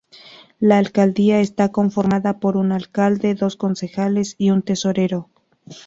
La alcaldía está conformada por un alcalde, dos concejales y un tesorero.